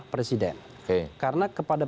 presiden karena kepada